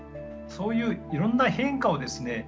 そういういろんな変化をですね